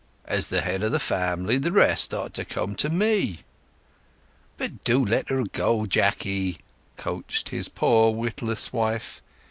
"As the head of the family, the rest ought to come to me." "But do let her go, Jacky," coaxed his poor witless wife.